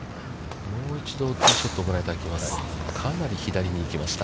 もう一度、ティーショットをご覧いただきます。